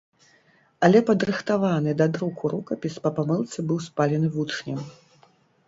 Але падрыхтаваны да друку рукапіс па памылцы быў спалены вучнем.